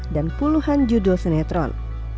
dan puluhan judul senetron